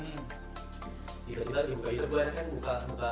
tiba tiba di muka itu gua kan kan buka